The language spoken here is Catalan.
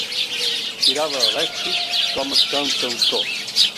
Aspirava a l'èxit com a cantautor.